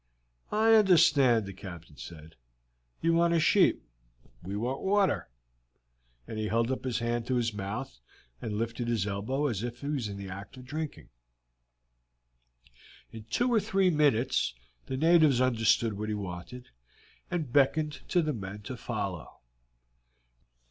"I understand," the Captain said; "you want a sheep, we want water;" and he held up his hand to his mouth and lifted his elbow as if in the act of drinking. In two or three minutes the natives understood what he wanted, and beckoned to the men to follow.